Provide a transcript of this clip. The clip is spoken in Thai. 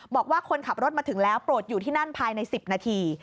บอกว่าคนขับรถมาถึงแล้วโปรดอยู่ที่นั่นภายใน๑๐นาที